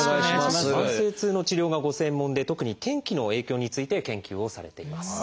慢性痛の治療がご専門で特に天気の影響について研究をされています。